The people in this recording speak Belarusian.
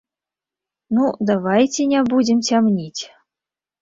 Ну, давайце не будзем цямніць.